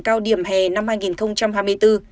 cao điểm hè năm hai nghìn hai mươi bốn